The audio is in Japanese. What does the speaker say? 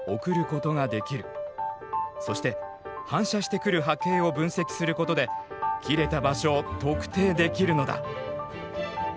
そして反射してくる波形を分析することで切れた場所を特定できるのだ。